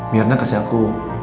mirna kasih aku